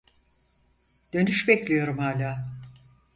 Dönüş bekliyorum hala